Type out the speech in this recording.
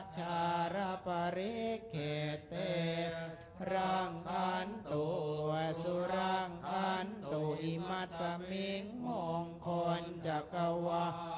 ชารพริเกตติรังคันตุสุรังคันตุอิมัตต์สมิงโมงคลจักรวาล